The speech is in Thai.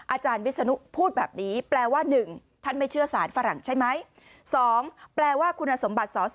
อาจารย์วิศนุพูดแบบนี้แปลว่า๑ท่านไม่เชื่อสารฝรั่งใช่ไหม๒แปลว่าคุณสมบัติสอสอ